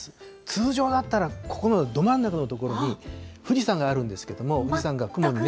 通常だったら、ここのど真ん中の所に、富士山があるんですけれども、富士山が雲に。